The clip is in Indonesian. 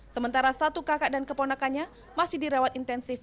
sementara satu kakak dan keponakannya masih dirawat intensif